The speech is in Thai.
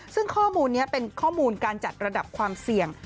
ซึ่งข้อมูลนี้เป็นข้อมูลการจัดระดับความเสี่ยง